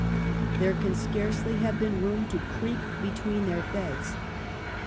There can scarcely have been room to creep between their beds.